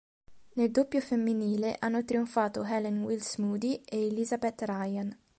Nel doppio femminile hanno trionfato Helen Wills Moody e Elizabeth Ryan.